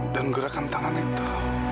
dan gerakan tangan itu